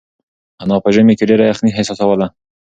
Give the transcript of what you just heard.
انا په ژمي کې ډېره یخنۍ احساسوله.